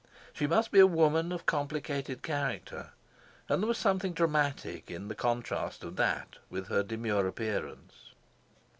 She must be a woman of complicated character, and there was something dramatic in the contrast of that with her demure appearance.